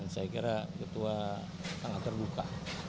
saya kira ketua sangat terbuka